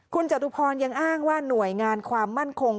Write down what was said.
คุณจตุพรยังอ้างว่าหน่วยงานความมั่นคง